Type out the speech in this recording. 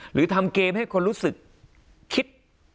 หรือทำเกมให้คนรู้สึกคิด